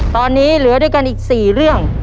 ตอนนี้เหลือด้วยกันอีก๔เรื่อง